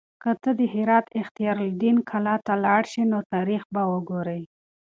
که ته د هرات اختیار الدین کلا ته لاړ شې نو تاریخ به وګورې.